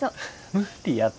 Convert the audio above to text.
無理やて。